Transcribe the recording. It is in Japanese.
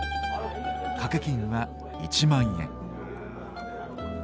掛金は１万円。